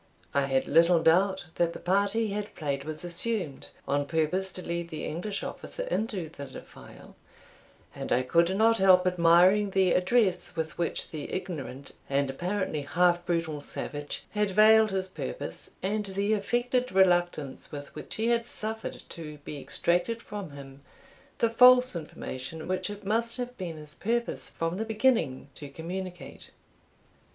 I had little doubt that the part he had played was assumed, on purpose to lead the English officer into the defile, and I could not help admiring the address with which the ignorant, and apparently half brutal savage, had veiled his purpose, and the affected reluctance with which he had suffered to be extracted from him the false information which it must have been his purpose from the beginning to communicate.